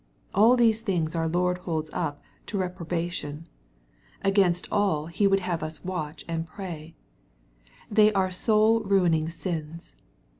All these things our Lord holds up to reprobation. Against all He MATTHEW, CHAP. XXIII. 299 would have us watch and pray. They are soul ruining sins.